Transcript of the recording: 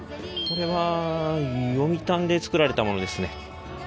これは読谷で作られたものですね。